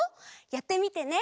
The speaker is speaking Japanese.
やってみてね。